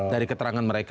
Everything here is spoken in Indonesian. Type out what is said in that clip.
dari keterangan mereka ini